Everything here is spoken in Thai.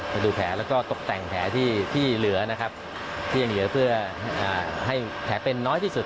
มาดูแผลแล้วก็ตกแต่งแผลที่เหลือนะครับที่ยังเหลือเพื่อให้แผลเป็นน้อยที่สุด